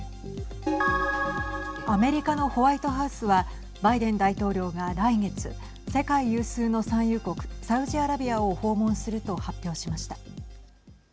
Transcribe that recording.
アメリカのホワイトハウスはバイデン大統領が来月世界有数の産油国サウジアラビアを訪問すると発表しました。